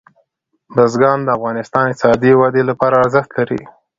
بزګان د افغانستان د اقتصادي ودې لپاره ارزښت لري.